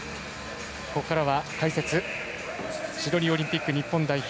ここからは解説シドニーオリンピック日本代表